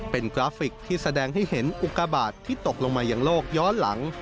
เป็นกราฟิกที่แสดงให้เห็นอุกาบาทที่ตกลงมาอย่างโลกย้อนหลัง